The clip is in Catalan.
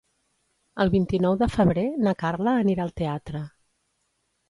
El vint-i-nou de febrer na Carla anirà al teatre.